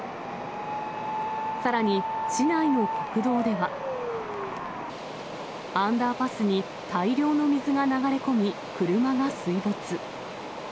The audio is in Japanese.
さらに、市内の国道では、アンダーパスに大量の水が流れ込み、車が水没。